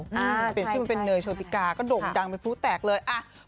เปลี่ยนชื่อเป็นเนยโชติกาก็โด่งดังเป็นผู้แตกเลย